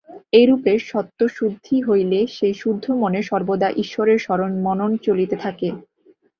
এইরূপে সত্ত্বশুদ্ধি হইলে সেই শুদ্ধ মনে সর্বদা ঈশ্বরের স্মরণ-মনন চলিতে থাকে।